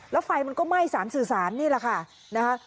แล้วไฟมันก็ไหม้สารสื่อสารนี่แหละค่ะนะคะ